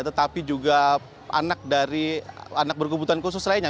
tetapi juga anak berkebutuhan khusus lainnya